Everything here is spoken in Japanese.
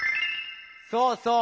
そうそう！